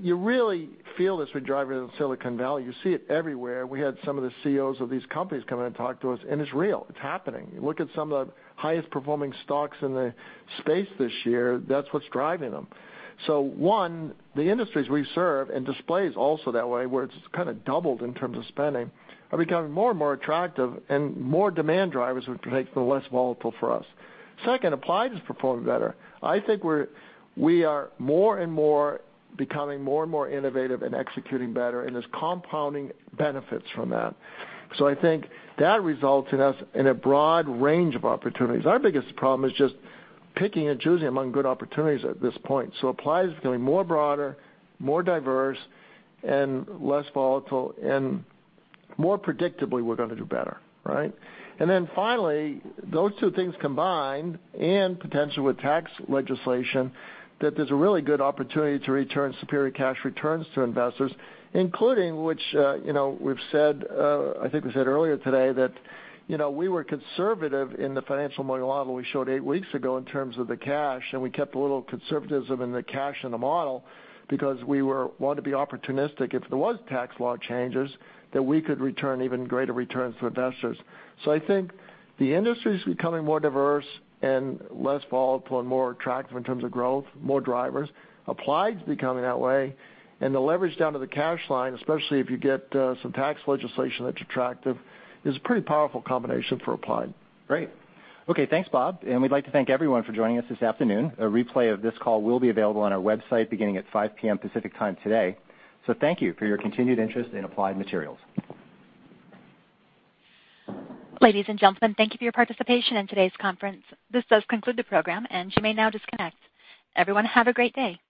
You really feel this when driving in Silicon Valley. You see it everywhere. We had some of the CEOs of these companies come in and talk to us, and it's real. It's happening. You look at some of the highest-performing stocks in the space this year, that's what's driving them. One, the industries we serve, and displays also that way, where it's kind of doubled in terms of spending, are becoming more and more attractive and more demand drivers, which makes them less volatile for us. Second, Applied is performing better. I think we are becoming more and more innovative and executing better, and there's compounding benefits from that. I think that results in us in a broad range of opportunities. Our biggest problem is just picking and choosing among good opportunities at this point. Applied is becoming more broader, more diverse, and less volatile, and more predictably, we're going to do better. Right? Finally, those two things combined and potentially with tax legislation, that there's a really good opportunity to return superior cash returns to investors, including, which we've said, I think we said earlier today that we were conservative in the financial model we showed eight weeks ago in terms of the cash, and we kept a little conservatism in the cash in the model because we wanted to be opportunistic if there was tax law changes, that we could return even greater returns to investors. I think the industry's becoming more diverse and less volatile and more attractive in terms of growth, more drivers. Applied's becoming that way. The leverage down to the cash line, especially if you get some tax legislation that's attractive, is a pretty powerful combination for Applied. Great. Okay, thanks, Bob. We'd like to thank everyone for joining us this afternoon. A replay of this call will be available on our website beginning at 5:00 P.M. Pacific Time today. Thank you for your continued interest in Applied Materials. Ladies and gentlemen, thank you for your participation in today's conference. This does conclude the program, and you may now disconnect. Everyone, have a great day.